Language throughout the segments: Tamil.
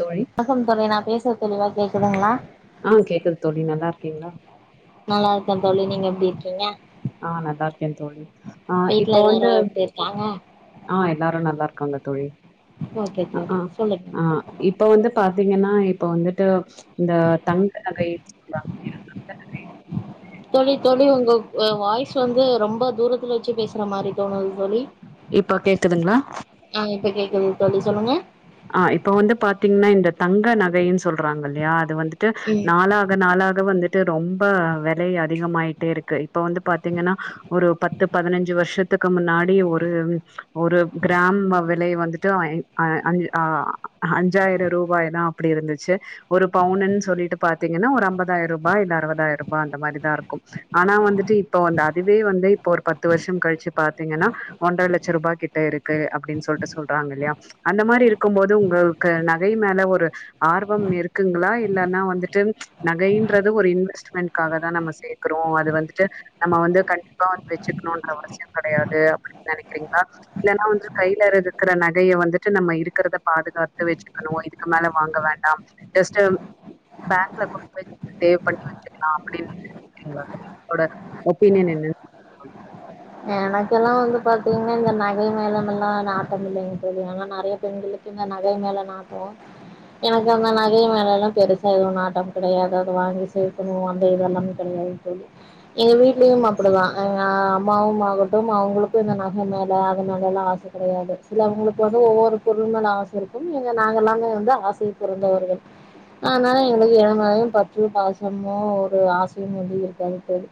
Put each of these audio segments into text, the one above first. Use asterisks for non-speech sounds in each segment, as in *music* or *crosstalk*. தோழி வணக்கம் *unintelligible* நா பேசறது தெளிவா கேக்குதுங்களா ஆ கேக்குது தோழி நல்லாருக்கீங்களா நல்லா இருக்கேன் தோழி நீங்க எப்டி இருக்கீங்க ஆ நல்லாருக்கன் தோழி ஆ வீட்ல இப்போ எல்லாரு வந்து எப்டி இருக்காங்க ஆ எல்லாரும் நல்லாருக்காங்க தோழி ஓகே தோழி ஆ சொல்லுங்க ஆ இப்ப வந்து பாத்தீங்கன்னா இப்ப வந்துட்டு இந்த தங்க *unintelligible* தோழி தோழி உங்க வாய்ஸ் வந்து ரொம்ப தூரத்துல் வச்சு பேசுற மாதிரி தோணுது தோழி இப்ப கேக்குதுங்ளா ஆ இப்ப கேக்குது தோழி சொல்லுங்க ஆ இப்ப வந்து பாத்தீங்ன்னா இந்த தங்க நகைன்னு சொல்றாங்க இல்லயா அது வந்து ட்டு ம் நாளாக நாளாக வந்து ட்டு ரொம்ப வெலை அதிகமாயிட்டே இருக்கு இப்ப வந்து பாத்தீங்கன்னா ஒரு பத்து பத்து பதினஞ்சு வருஷத்துக்கு முன்னாடி ஒரு ஒரு கிராம் வெலை வந்துட்டு *inaudible* அஞ்சாயிரம் ரூபாய் தான் அப்டி இருந்துச்சு ஒரு பவுன் ன்னு சொல்லிட்டு பாத்தீங்கன்னா ஒரு அம்பதாயிர ரூபா இல்ல அறுதாயிர ரூபா அந்த மாதிரிதான் இருக்கும் ஆனா வந்துட்டு இப்ப வந்து அதுவே வந்து இப்ப ஒரு பத்து வருஷோம் கழிச்சு பாத்தீங்கனா ஒன்றர இலட்ச ரூபாகிட்ட இருக்கு அப்டின்னு சொல்ட்டு சொல்றாங்க இல்லையா அந்த மாரி இருக்கு இருக்கும் போது உங்களுக்கு நகை மேல ஒரு ஆர்வம் இருக்குங்களா இல்லன்னா வந்துட்டு நகைன்றது ஒரு இன்வெஸ்ட்மெண்ட்காக தான் நம்ம சேக்குறோம் அது வந்துட்டு நம்ம வந்து கண்டிப்பா வந்து வச்சுக்கணும்ன்ற அவசியம் கெடயாது அப்படின்னு நனைக்கிறீங்களா இல்ன்னா வந்து கையில இருதுக்கிற நகைய வந்துட்டு நம்ம இருக்கு க்குறத பாதுகாத்து வெச்சுக்கொணும் இதுக்கு மேல வாங்க வேண்டாம் ஜஸ்ட் பேங்க்ல கொண்டு போய் சேவ் பண்ணி வச்சுக்கலாம் அப்டின்னிட்டு இருக்கிங்ளா தோழி உங்களோட ஒப்பீனியன் என்ன எனக்கெல்லாம் வந்து பாத்தீங்ன்னா இந்த நகை மேலமெல்லாம் நாட்டம் இல்லைங்க தோழி ஆனா நறைய பெண்களுக்கு நகை மேல நாட்டோம் எனக்கு அந்த நகை மேலெல்லாம் பெருசா எதுவும் நாட்டம் கெடையாது வாங்கி சேக்கணும் அந்த இதெல்லாம் *unintelligible* எங்க வீட்லயும் அப்டிதான் அ அம் மாவும் மாகட்டும் அவுங்கக்கும் இந்த நகை மேல அது மேல எல்லாம் ஆச கெடயாது சிலவொங்களுக்கு வந்து ஒவ்வொரு பொருள் மேல ஆச ச இருக்கும் நீங்க நாங்க எல்லாம் வந்து ஆச தொறந்தவர்கள் ஆனால எங்களுக்கு இதுமேலயும் பற்று பாசமோ ஒரு ஆசயும் வந்து இருக்காது தோழி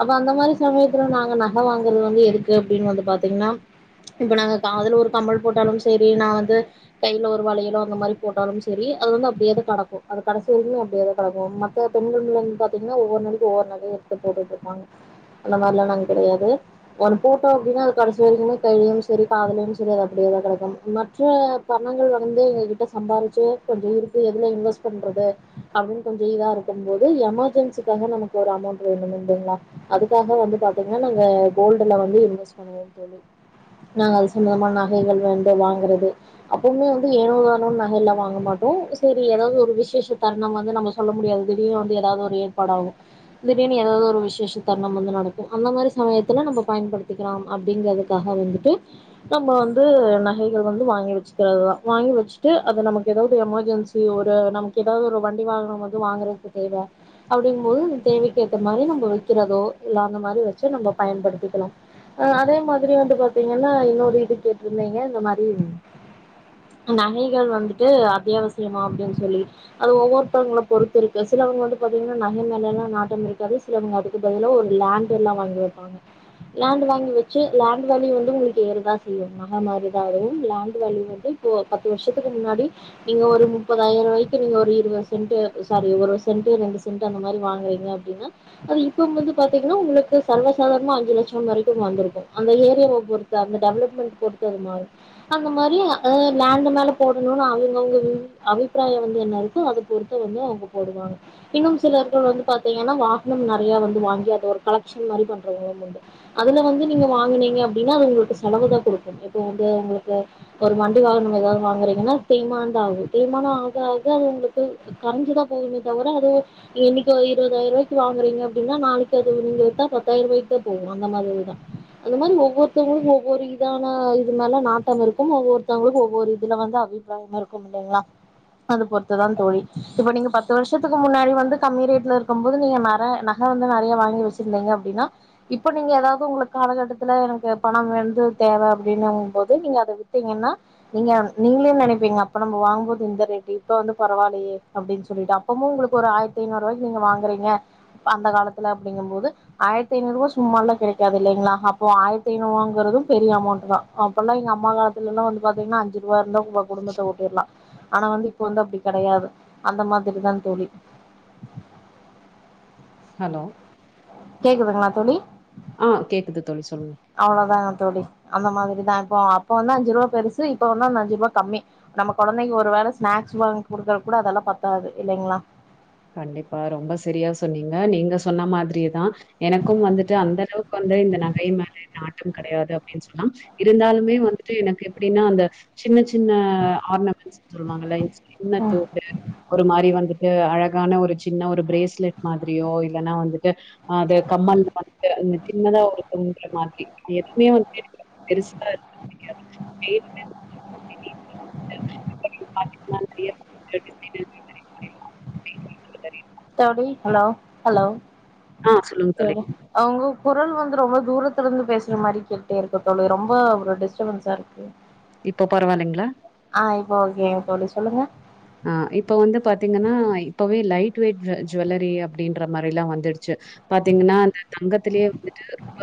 அப்ப அந்த மாரி சமயத்துல நாங்க நக வாங்குறது வந்து எதுக்கு அப்படின்னு வந்து பாத்தீங்ன்னா இப்ப நாங்க காதுல ஒரு கம்மல் போட்டாலும் செரி நா வந்து கையில ஒரு வலையலோ அந்த மாரி போட்டாலும் செரி அது வந்து அப்டியேதான் கெடக்கும் அது கடைசிவரைலயும் அப்டியேதா கடக்கும் சோ பொண்கள் வந்து பாத்தீங்னா ஒவ்வொரு நாளைக்கும் ஒவ்வொரு நகைய எடுத்து போட்டுட்டு இருப்பாங்க அந்த மாரிலா நாங்க கெடயாது ஒன்னு போட்டோம் அப்டின்னா அது கடசி வரைக்குமே கைலயும் செரி காதுலயும் செரி அது அப்டியேதான் கெடக்கும் மற்ற பணங்கள் வந்து எங்க கிட்ட சம்பாரிச்சு கொஞ்சோ இருக்கு எதுல இன்வெஸ்ட் பண்றது அப்டின்னு கொஞ்சோ இதா இருக்கும் போது எமர்ஜென்சிக்காக நமக்கு ஒரு அமௌண்ட் வேணும் இல்லிங்களா அதுக்காக வந்து பாத்தீங்கன்னா நாங்க கோல்டுல வந்து இன்வெஸ்ட் பண்ணுவோம் தோழி நாங்க அது சொந்தமான நகைகள் வந்து வாங்குறது அப்பவுமே வந்து ஏனோ தானோனு நக எல்லா வாங்க மாட்டோம் செரி ஏதாது ஒரு விசேஷம் தருணம் வந்து நம்ப சொல்ல முடியாது திடீர்னு வந்து ஏதாவது ஒரு தட ஆகும் திடீர்ன்னு ஏதாவது ஒரு விசேஷ தருணம் வந்து நடக் கும் அந்த மாரி சமயத்துல நம்ம பயன்படுத்திக்கலாம் அப்டிங்கறதுக்காக வந்துட்டு நம்ம வந்து நகைகள் வந்து வாங்கி வச்சுக்கிறதுதா வாங்கி வச்சுட்டு அது நமக்கு எதாவுது எமர்ஜென்சி ஒரு நமக்கு எதாவுது ஒரு வண்டி வாகனம் வந்து வாங்குறதுக்கு தேவ அப்டிங்கு போது அந்த தேவைக்கு ஏத்த மாரி நம்ம வைக்கிறதோ இல்ல அந்த மாரி வச்சு நம்ம பயன்படுத்திக்குலா ஆ அதே மாரி வந்து பாத்தீங்கன்னா இன்னொரு இது கேட்டிருந்தீங்க இந்த மாரி நகைகள் வந்துட்டு அத்தியாவசியமா அப்டின்னு சொல்லி அது ஒவ்வொருத்தவங்கள பொறுத்து இருக்கு சிலவங்க வந்து பாத்தீங்கனா நக மேல லா நாட்டம் இருக்காது சிலவங்க அதுக்கு பதிலா ஒரு லேண்ட் எல்லா வாங்கி வப்பாங்க லேண்ட் வாங்கி வெச்சு லேண்ட் வேல்யூ வந்து உங்களுக்கு ஏறதா செய்யு நக மாரிதா அது லேண்ட் வேல்யூ வந்து புவோ பத்து வருஷத்துக்கு முன்னாடி நீங்க ஒரு முப்பதாயி ரூவாய்க்குங்க ஒரு இருபது சென்ட்டு சாரி ஒரு சென்ட்டு ரெண்டு சென்ட்டு அந்த மாரி வாங்குறீங்க அப்டின்னா அது இப்பும் இருந்து பாத்தீங்கனா உங்களுக்கு சர்வசாதாரணமா அஞ்சு லட்சோ வரைக்கு வந்திருக்கு அந்த ஏரியாவ பொறுத்து அந்த டெவலப்மெண்ட் பொறுத்து அது மாறு அந்த மாரி அ‌ லேண்டு மேல போடணுனு அவங்கவுங்க வி அவிப்பிராயோ வந்து என்ன இருக்கோ அத பொறுத்து வந்து அவுங்க போடுவாங்க இன்னு சிலர்கள் வந்து பாத்தீங்கன்னா வாகனம் நெறைய வந்து வாங்கி அத ஒரு கலெக்க்ஷன் மாரி பண்றவங்களும் உண்டு அதுல வந்து நீங்க வாங்கினீங்க அப்டின்னா அது உங்களுக்கு செலவு தா குடுக்கு இப்போ வந்து உங்களுக்கு ஒரு வண் டி வாகனம் எதாவுது வாங்குறீங்கனா தேய்மான்த ஆகு தேய்மானோ ஆக ஆக உங்களுக்கு அது கரஞ்சிதா போதுமே தவிர அது ஒரு இன்னக்கி இருபதாயிரோ ரூவாய்க்கு வாங்குறீங்க அப்டின்னா நாளைக்கு அது நீங்க வித்தாக பத்தாயிர ரூவாய்க்கு தா போகு அந்த மாரிதா அந்த மாதிரி ஒவ்வொருத்தவங்களுக்கு ஒவ்வொரு இதான இது மேல நாட்டம் இருக்கும் ஒவ்வொருத்தவங்களுக்கு ஒவ்வொரு இதுல வந்து அவி ப்பிராயோ இருக்கும் இல்லிங்ளா அது பொறுத்துதா தோழி இப்ப நீங்க பத் பத்து வருஷத்துக்கு முன்னாடி வந்து கம்மி ரேட்ல இருக்கு போது நீங்க நெற நகை வந்து நெறைய வாங்கி வச்சுருந்தீங்க அப்டின்னா இப்ப நீங்க எதாவுது உங்களுக்கு காலகட்டத்துல எனக்கு பணோ வெந்து தேவ அப்டின்னு போது நீங்க அத வித்தீங்கன்னா நீங்க நீங்களே நெனைப்பீங்க அப்ப நம்ம வாங்கபோது இந்த ரேட் இப்ப வந்து பரவாயில்லயே அப்டின்னு சொல்லி அம்மோவு உங்களுக்கு ஒரு ஆயிரத்தி ஐநூறுவாய்கு நீங்கள வாங்குறீங்க அந்த காலத்துல அப்டிங்கும்போது ஆயிரத்து ஐநூறுவா சும்மலா கெடைக்காது இல்லிங்ளா அப்போ ஆயிரத்து ஐநூறுவாங்கறது பெரிய அமௌண்ட் தா அப்போல்லா எங்க அம்மா காலத்துலல்லா வந்து பாத்தீங்கனா அஞ்சு ரூபா இருந்த குடும்பத்த ஓட்டிடலா ஆனா வந்து இப்ப வந்து அப்டி கெட கெடையாது அந்த மாதிரி தா தோழி ஹலோ கேக்குதுங்ளா தோழி ஆ கேக்குது தோழி சொல்லுங்க அவ்ளோதாங்க தோழி அந்த மாதிரிதா இப்போ அப்ப வந்து அஞ்சு ரூபா பெருசு இப்ப வந்து அந்த அஞ்சு ரூபா கம்மி நம்ம கொழந்தைங்க்கு ஒரு வேல ஸ்நாக்ஸ் வாங்கி குடுக்குற கூட அதெல்லா பத்தாது இல்லிங்ளா கண்டிப்பா ரொம்ப சரியா சொன்னீங்க நீங்க சொன்ன மாதிரியேதா எனக்கும் வந்துட்டு அந்த அளவுக்கு வந்து இந்த நகை மேல நாட்டம் கெடையாது அப்டின்னு சொல்லா இருந்தாலுமே வந்துட்டு எனக்கு எப்டின்னா அந்த சின்ன சின்ன ஆர்னமெண்ட்ஸ் சொல்லுவாங்கல்ல சின்ன தோடு ஒரு மாரி வந்துட்டு அழகான ஒரு சின் சின்ன ஒரு பிரேஸ்லெட் மாதிரியோ இல்லன்னா வந்துட்டு அது கம்மல்ல வந்துட்டு சின்னதா ஒரு தொங்கல் மாரி ஏற்கனவே ஒரு *unintelligible* பெருசா இருக்கு *unintelligible* *unintelligible* *unintelligible* பார்த்தீங்கன்னா நெறைய தோடி ஹலோ ஹலோ ஆ சொல்லுங்க தோழி. தோடி அ உங்க குரல் வந்து ரொம்ப தூரத்துல இருந்து பேசுற மாரி கேட்டுட்டே இருக்கு தோழி ரொம்ப ஒரு டிஸ்டபன்ஸா இருக்கு *unintelligible* இப்ப பரவால்லைங்களா ஆ இப்போ ஓகேங்க தோழி சொல்லுங்க ஆ இப்ப வந்து பாத்தீங்கன்னா இப்பவே லைட் வெயிட் ஜுவல்லரி அப்டின்ற மாரில்லா வந்துறுச்சு பாத்தீங்கன்னா அந்த தங்கத்துலயே வந்துட்டு ரொம்ப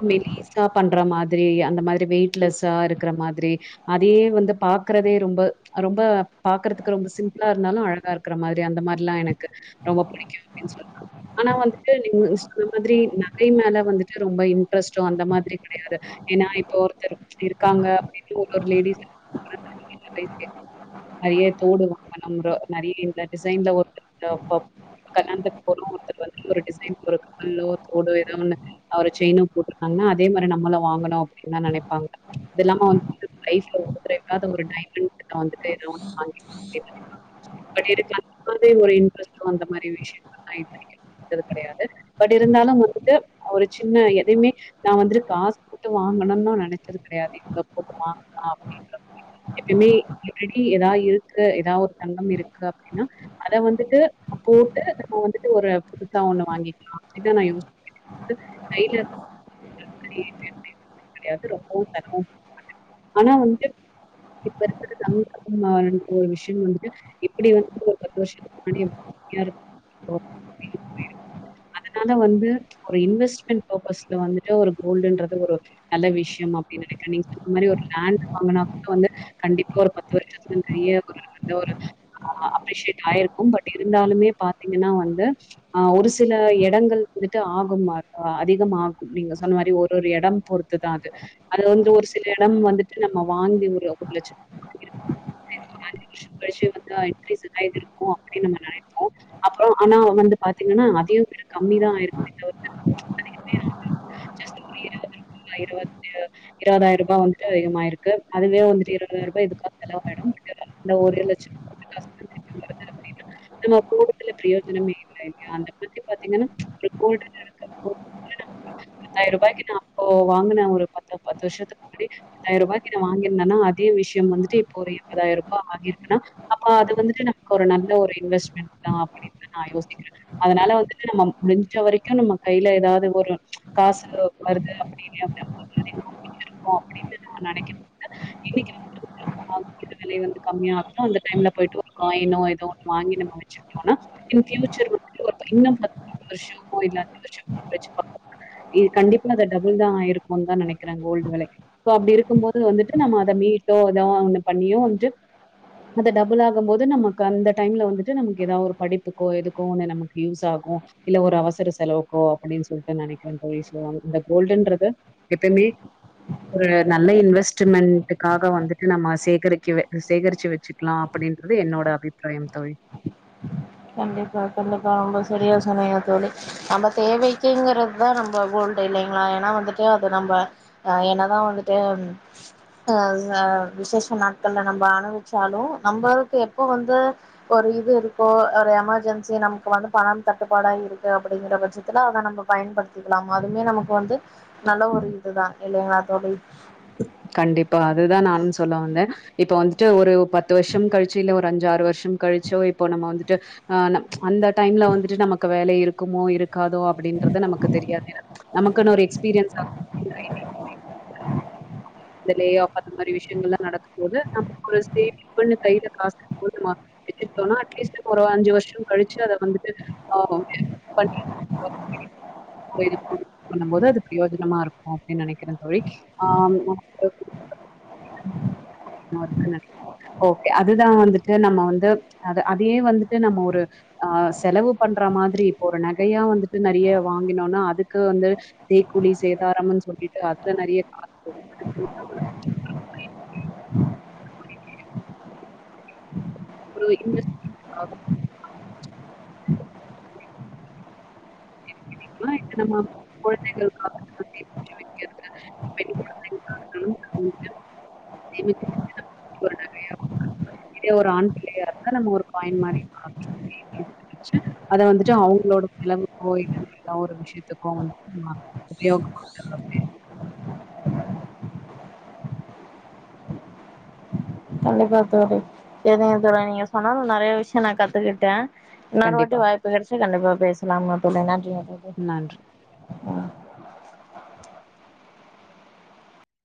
ரொம்ப மெலி ஸ்னா பண்ற மாதிரி அந்த மாதிரி வெயிட் லஸ்ஸா இருக்குற மாதிரி அதே வந்து பாக்கறதே ரொம்ப ரொம்ப பாக்கறதுக் க்கு ரொம்ப சிம்பிளா இருந்தாலு அழகா இருக்கற மாரி அந்த மாரிலா எனக் கு ரொம்ப புடிக்கு அப்டின் சொல்லலா ஆனா வந்துட்டு நீங்க அந்த மாதிரி நகை மேல வந்துட்டு ரொம்ப இன்ட்ரஸ்ட்டோ அந்த மாதிரி கெடையாது ஏனா இப்ப ஒருத்தர் இருக்காங்க அப்டின்னு ஒரு ஒரு லேடிஸ் எனி டைம்ஸ் கேக்கலா அரியர் தோடு வாங்கனும் ஒரு நெறைய யூட்லர் டிசைன்ல ஒரு *unintelligible* கல்யாணத்துக்கு போறோ ஒருத்தர் வந்து ஒரு டிசைன் போறதுக்கோ இல்ல தோடோ எதோ ஒண்ணு அவரு செயினு போட்ருக்காங்கன்னா அதே மாரி நம்மளு வாங்கணு அப்டின் தா நெனைப்பாங்க அது இல்லாம வந்துட்டு லைஃப்ல ஒரு ஏதாவது ஒரு டைமண்ட்டு வந்துட்டு எதோ ஒன்னு இப்ப எனக்கு அந்த மாரி ஒரு இன்ட்ரஸ்ட் வந்த மாரி விஷயங்கல்லா இருந்து கிட்டே இருந்தது கெடையாது பட் இருந்தாலு வந்துட்டு ஒரு சின்ன எதையுமே நா வந்துட்டு காசு போட்டு வாங்கனுனு நெனைச்சது கெடையாது இவ்ளோ போட்டு வாங்லா அப்டின்ற லிட்ரலி எப்பயுமே ஏதா இருக்கு ஏதாவது ஒரு தங்கம் இருக்கு அப்டினா அத வந்துட்டு போட்டு நம்ம வந்துட்டு ஒரு புதுசா ஒண்ணு வாங்கிக்லா அப்டிதா நா யோசிப்பே கைல *inaudible* ரொம்பவு சந்தோஷ பட ஆனா வந்து இப்பே இருக்கற தங்கம் மா ஒரு விஷயம் வந்துட்டு எப்பிடி வந்து ஒரு பத்து வருஷத்துக்கு முன்னாடியும் யாரு ஓ *inaudible* அதுனால வந்து ஒரு இன்வஸ்மண்ட் பர்பஸ்ல வந்துட்டு ஒரு கோல்டுன்றது ஒரு நல்ல விஷயம் அப்டின்னு நெனக்குறே நீங்க சொன்ன மாரி ஒரு லேண்ட்டு வாங்குனா கூட வந்து கண்டிப்பா ஒரு பத்து வருஷத்து நெறைய ஒரு நல்ல ஒரு அ அப்ரிஷியேட் ஆயிருக்கு பட் இருந்தாலுமே பாத்தீங்கன்னா வந்து ஆ ஒரு சில எடங்கள் குறித்து ஆகும் ஆர் அதிகம் ஆகும் நீங்க சொன்ன மாரி ஒரு ஒரு எடம் பொறு த்துதா அது வந்து ஒரு சில எடம் வந்துட்டு நம்ம வாங்கி முறையா ஒரு லட்ச சர்ப்ரைசிவ் வந்தா இன்க்ரீஸ் இதாய்ட்ருக்கு அப்டின் நம்ம நெனைப் நெனைப்போ அப்போ ஆனா வந்து பாத்தீங்கன்னா அதையு விட கம்மிதா ஆயிருக்குமே தவிர்த்து இன்னோ இருவத்தி இருவதாயிர ரூபா வந்துட்டு அதிகமாயிருக்கு அதுவே வந்துட்டு இருவதாயிர ரூபா வந்து எதுக்காவது செலவு வரும் இந்த ஒரு லட்சம் குடுத்த காசுக்கு திருப்பி குடுக் குடுத்தோ அப்டினா நம்ம போட்றதுல பிரயோஜனமே இல்லங்க அத பத்தி பாத்தீங்கன்னா ஒரு கோல்டுன் இருக்கு இப்போ பத்தாயிர் ரூபாய்க்கு நா ஓ வாங்குனே ஒரு பத்து பத்து வருஷத்துக்கு முன்னாடி பத்தாயிர ரூபாய்க்கு நா வாங்கியிருந்தனா அதே விஷயம் வந்துட்டு ஒரு இருவதாயிர ரூபா ஆகியிருக்குன்னா அப்ப அது வந்துட்டு நமக்கு ஒரு நல்ல ஒரு இன்வெஸ்மண்ட் தா அப்டி ன்டு நா யோசிக்கிறே அதுனால வந்துட்டு நம்ம முடுஞ்ச வரைக்கு நம்ம கைல எதாவது ஒரு காசு வருது அப்டினே *unintelligible* அப்டின்னு நா நெனைக்கிறே த்த இன்னைக்கு நெனைக் *unintelligible* விலை வந்து கம்மியாகுதோ அந்த டைம்ல பொயிட்டு ஒரு காயினோ எதோ ஒன்னு வாங்கி நம்ம வச்சு இருக்குறோனா ஆனா இன் பியூச்சர் வந்து ஒரு பை இன்னு பத்து வருஷமோ இல்ல அஞ்சு வருஷோ கழிச்சு பாக் இது கண்டிப்பா அது டபுள் தா ஆயிருக்குன் தா நெனைக்கிறோ கோல்டு வெலை சோ அப்டி இருக்கும்போது வந்துட்டு நம்ம அத மீட்டோ எதோ ஒண்ணு பண்ணியோ வந்துட்டு அத டபுள் ஆகும்போது நமக்கு அந்த டைம்ல வந்துட்டு நமக்கு எதா ஒரு படிப்புக்கோ எதுக்கோ ஒண்ணு நமக்கு யூஸ் ஆகு இல்ல ஒரு அவசர செலவுக்கோ அப்டினு சொல்லிட்டு நெனைக்கிறே தோழி சோ அ இந்த கோல்டுன்றது எப்பமே ஒரு நல்ல இன்வெஸ்ட்மெண்ட்க்காக வந்துட்டு நம்ம சே கரிக்கவே அத சேகரிச்சு வச்சுக்கலா அப்டின்றது என்னோட அவிப்ராயம் தோழி கண்டிப்பா கண்டிப்பா ரொம்ப செரியா சொன்னீங்க தோழி நம்ம தேவைக்குங்கறதுதா நம்ப கோல்டு இல்லைங்ளா ஏன்னா வந்துட்டு அது நம்ப அ என்னதா வந்துட்டு அ து அ விசேஷ நாட்கள்ல நம்ப அனுவிச்சாலு நம்பளுக்கு எப்போ வந்து ஒரு இது இருக்கோ ஒரு எமர்ஜென்சி நமக்கு வந்து பணம் தட்டுப்பாடா இருக்கு அப்டிங்கிற பட்சத்துல அத நம்ம பயன்படுத் க்கலாம் அதுமே நமக்கு வந்து நல்ல ஒரு இதுதா இல்லைங்களா தோழி கண்டிப்பா அதுதா நானும் சொல்ல வந்தே இப்போ வந்துட்டு ஒரு பத்து வருஷம் கழிச்சி இல்ல ஒர் ஒரு அஞ்சு ஆறு வருஷம் கழிச்சோ இப்போ நம்ம வந்துட்டு ஆ நம் அந்த டைம்ல வந்துட்டு நமக்கு வேலை இருக்குமோ இருக் காதோ அப்டின்றது நமக்கு தெரியாது ஏனா நமக்குனு ஒரு எக்ஸ்பீரியன்ஸ்சா இந்த லே ஆஃப் அந்த மாரி விஷயங்கள்லா நடக்கும் போது நமக்கு ஒரு சேமிப்புன்னு கையில காசு இருக்கு போது ஒர் மா எடுத்துகிட்டோனா அட்லீஸ்ட் இப்ப ஒரு அஞ்சு வருஷோ கழிச்சு அத வந்துட்டு ஆ ஓகே பண்ணி ஓகே *unintelligible* பண்ணும் போது அது பிரயோஜனமா இருக்கு அப்டின் நெனைக்கிறே தோழி ஆம் *inaudible* நெனைக்கிறே ஓகே அதுதா வந்துட்டு நம்ம வந்து அத அதயே வந்துட்டு நம்ம ஒரு ஆ செலவு பண்ற மாதிரி இப்போ ஒரு நகையா வந்துட்டு நெறையா வாங்கினோனா அதுக்கு வந்து செய்கூலி சேதாரம்னு சொல்லிட்டு அதுல நெறைய காஸ் போ ஒரு இன்வெஸ் மா இங்க நல்ல கெழந்தைகளுக்காக *unintelligible* குழந்தைகளுக்கா இருந்தாலும் வந்துட்டு சேமிச்சு வைக்கிறது ஒரு நகையா இதே ஒரு ஆண் பிள்ளையா இருந்த நம்ம ஒரு காயின் மாரி *inaudible* வச்சு அத வந்துட்டு அவுங்களோட செலவுக்கோ இல்ல எதோ ஒரு விஷயத்துக்கோ வந்துட் மா கண்டிப்பா தோழி என்னை *unintelligible* நீங்க சொன்ன நெறைய விஷ்யோ நா கத்துக்கிட்டே இன்னோரு கண்டிப்பா. வாட்டி வாய்ப்பு கெடைச்சா கண்டிப்பா பேசலாமா தோழி நன்றி நன்றி நன்றி